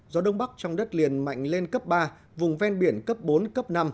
gió đông bắc trong đất liền mạnh lên cấp ba vùng ven biển cấp bốn cấp năm